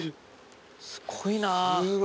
すごいな。